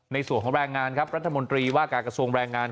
ในส่วนของแรงงานครับรัฐมนตรีว่าการกระทรวงแรงงาน